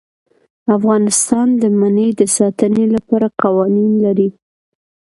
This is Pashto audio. افغانستان د منی د ساتنې لپاره قوانین لري.